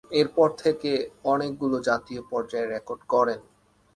এরপর থেকেই অনেকগুলো জাতীয় পর্যায়ের রেকর্ড গড়েন।